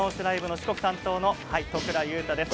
四国担当の都倉悠太です。